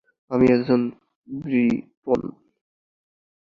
আমি একজন ব্রিটন।